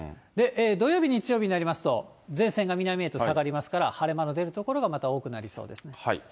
土曜日、日曜日になりますと、前線が南へと下がりますから、晴れ間の出る所がまた多くなりそうですね。